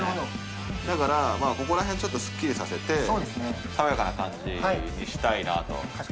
だからここら辺すっきりさせて爽やかな感じにしたいなと。